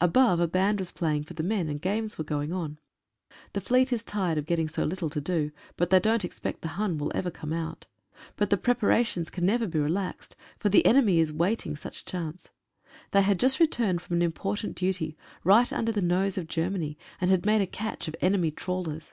Above a band was play ing for the men, and games were going on. The Fleet is tired of getting so little to do, but they don't expect the Hun will ever come out. But the prepara tions can never be relaxed, for the enemy is waiting such a chance. They had just returned from an important duty, right under the nose of Germany, and had made a catch of enemy trawlers.